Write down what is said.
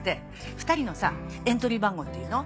２人のさエントリー番号っていうの？